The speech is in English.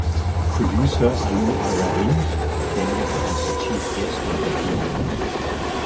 Producer Allu Aravind attended as the chief guest and did the honours.